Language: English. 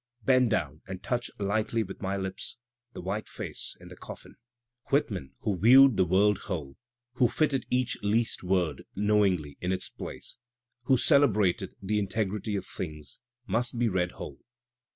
Bend down and touch lightly with my lips the white face in the coffin. Whitman, who viewed the world whole, who fitted each least word knowingly in its place, who celebrated the integ rity of things, must be read whole.